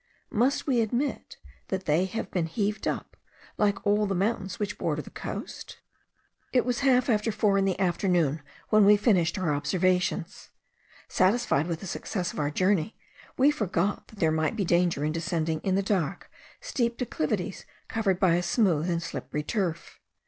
Must we admit that they have been heaved up, like all the mountains which border the coast. It was half after four in the afternoon when we finished our observations. Satisfied with the success of our journey, we forgot that there might be danger in descending in the dark, steep declivities covered by a smooth and slippery turf.